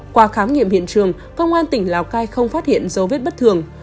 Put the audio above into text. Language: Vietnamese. qua khám nghiệm hiện trường công an tỉnh lào cai không phát hiện dấu vết bất thường